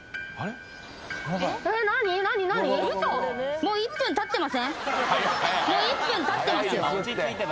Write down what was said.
もう１分たってますよ。